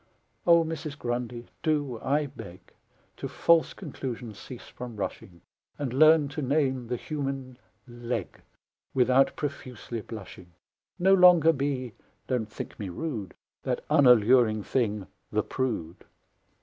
O Mrs. Grundy, do, I beg, To false conclusions cease from rushing, And learn to name the human leg Without profusely blushing! No longer be (don't think me rude) That unalluring thing, the prude!